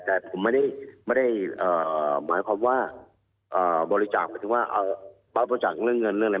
แต่ผมไม่ได้สมมติว่ารับบริจักษ์เรื่องเงินไม่ใช่เพียงแแต่